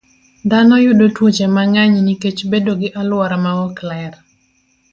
Dhano yudo tuoche mang'eny nikech bedo gi alwora maok ler.